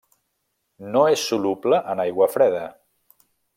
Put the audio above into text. No és soluble en aigua freda.